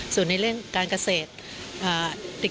ส่วนในเรื่องการเกษตร